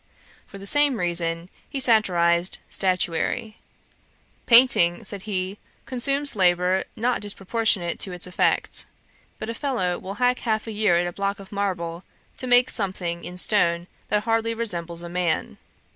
For the same reason he satyrised statuary. 'Painting (said he) consumes labour not disproportionate to its effect; but a fellow will hack half a year at a block of marble to make something in stone that hardly resembles a man.